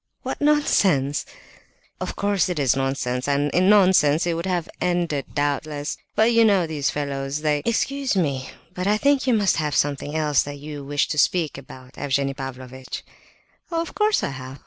"What nonsense!" "Of course it is nonsense, and in nonsense it would have ended, doubtless; but you know these fellows, they—" "Excuse me, but I think you must have something else that you wished to speak about, Evgenie Pavlovitch?" "Of course, I have!"